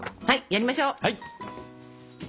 やりましょう！